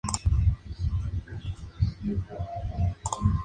Las familias de estas personas recibieron sumas de dinero para pagar por su silencio.